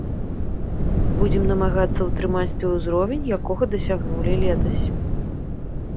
Будзем намагацца ўтрымаць той узровень, якога дасягнулі летась.